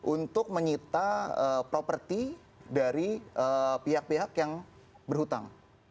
untuk menyita properti dari pihak pihak yang berhutang